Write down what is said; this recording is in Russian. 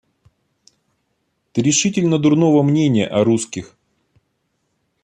Ты решительно дурного мнения о русских.